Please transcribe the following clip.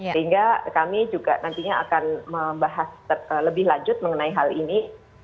sehingga kami juga nantinya akan membahas lebih lanjut mengenai hal ini